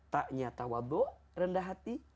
tanya tawaddu rendah hati